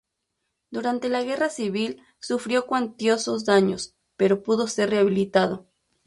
Durante la Guerra Civil sufrió cuantiosos daños, pero pudo ser rehabilitado.